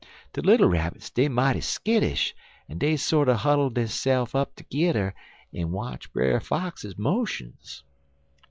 De little Rabbits, dey mighty skittish, en dey sorter huddle deyse'f up tergedder en watch Brer Fox motions.